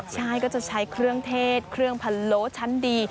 ใช่ก็จะใช้เครื่องเทศเครื่องพะโล้ชั้นดี